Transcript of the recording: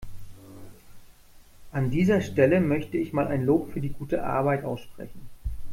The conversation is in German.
An dieser Stelle möchte ich mal ein Lob für die gute Arbeit aussprechen.